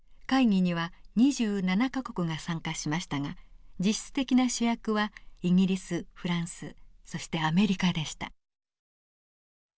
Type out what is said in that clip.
会議には２７か国が参加しましたが実質的な主役はイギリスフランスそしてアメリカでした。